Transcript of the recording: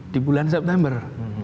di bulan september